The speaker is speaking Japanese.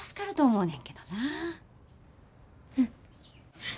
うん。